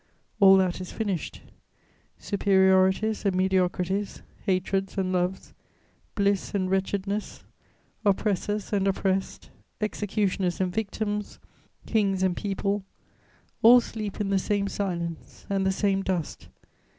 All that is finished; superiorities and mediocrities, hatreds and loves, bliss and wretchedness, oppressors and oppressed, executioners and victims, kings and people, all sleep in the same silence and the same dust.